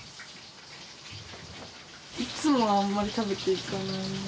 いつもはあんまり食べていかない。